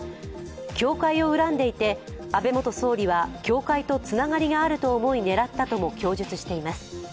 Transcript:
教会を恨んでいて、安倍元総理は教会とつながりがあると思い、狙ったとも供述しています。